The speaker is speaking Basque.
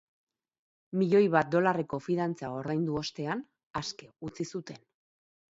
Milioi bat dolarreko fidantza ordaindu ostean, aske utzi zuten.